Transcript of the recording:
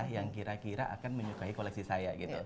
yang kira kira akan menyukai koleksi saya gitu